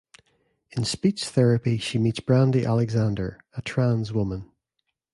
In speech therapy she meets Brandy Alexander, a trans woman.